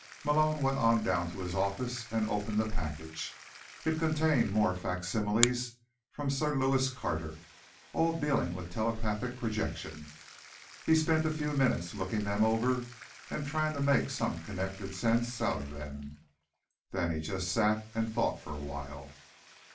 Malone went on down to his office and opened the package. It contained more facsimiles from Sir Lewis Carter, all dealing with telepathic projection. He spent a few minutes looking them over and trying to make some connected sense out of them, and then he just sat and thought for awhile.